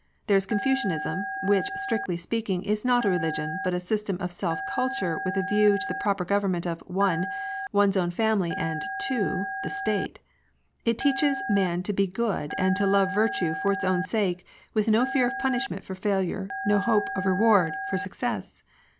There is Confucianism, which, strictly speak ing, is not a religion, but a system of self culture with a view to the proper government of (1) one's own family and of (2) the State. It teaches man to be good, and to love virtue for its own sake, with no fear of punishment for failure, no hope of reward for success.